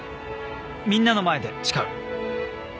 みんなの前で誓う。